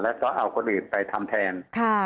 แล้วก็เอาคนอื่นไปทำแทน